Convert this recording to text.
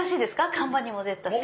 看板にも出てたし。